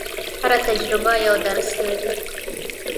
هره تجربه یو درس لري.